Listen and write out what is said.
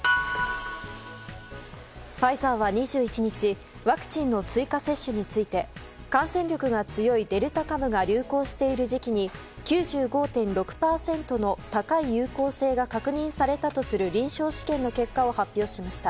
ファイザーは２１日ワクチンの追加接種について感染力が強いデルタ株が流行している時期に９５．６％の高い有効性が確認されたとする臨床試験の結果を発表しました。